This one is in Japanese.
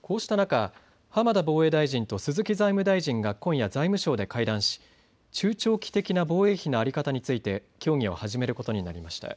こうした中、浜田防衛大臣と鈴木財務大臣が今夜、財務省で会談し中長期的な防衛費の在り方について協議を始めることになりました。